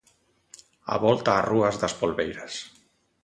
A volta ás rúas das polbeiras.